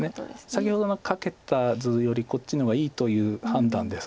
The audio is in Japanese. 先ほどのカケた図よりこっちの方がいいという判断です。